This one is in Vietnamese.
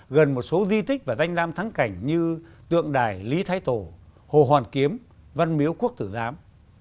gần một số di tích và danh lam thắng cảnh như tượng đài lý thái tổ hồ hoàn kiếm văn miếu quốc tử giám